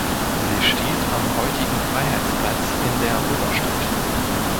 Sie steht am heutigen Freiheitsplatz in der Oberstadt.